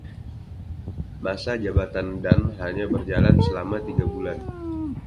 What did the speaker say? Masa jabatan Dunn hanya berjalan selama tiga bulan.